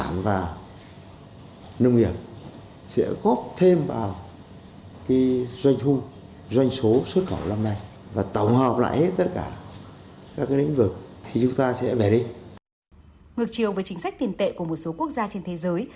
ngược chiều với chính sách tiền tệ của một số quốc gia trên thế giới